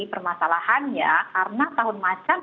permasalahannya karena tahun macan